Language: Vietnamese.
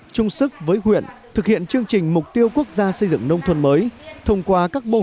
chung sức với huyện thực hiện chương trình mục tiêu quốc gia xây dựng nông thuần mới